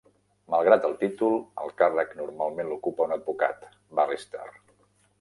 Malgrat el títol, el càrrec normalment l'ocupa un advocat ("barrister").